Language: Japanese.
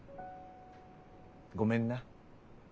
ごめんな。